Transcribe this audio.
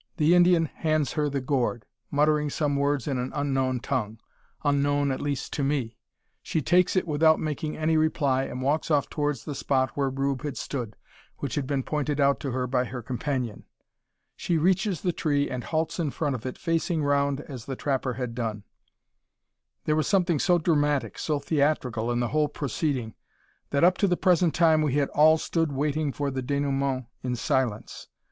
The Indian hands her the gourd, muttering some words in an unknown tongue unknown, at least, to me. She takes it without making any reply, and walks off towards the spot where Rube had stood, which has been pointed out to her by her companion. She reaches the tree, and halts in front of it, facing round as the trapper had done. There was something so dramatic, so theatrical, in the whole proceeding, that up to the present time we had all stood waiting for the denouement in silence.